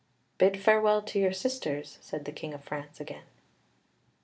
"Bid farewell to your sisters," said the King of France again.